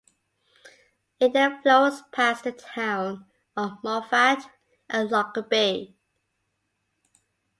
It then flows past the town of Moffat and Lockerbie.